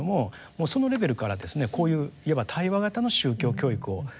もうそのレベルからですねこういう対話型の宗教教育をしてるんですよね。